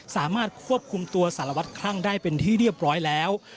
สามารถควบคุมตัวสารวัตรคลั่งได้เป็นที่เรียบร้อยแล้ว